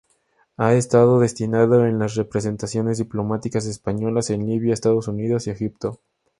Ha estado destinado en las representaciones diplomáticas españolas en Libia, Estados Unidos y Egipto.